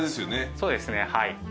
そうですねはい。